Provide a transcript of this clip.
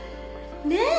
ねえ！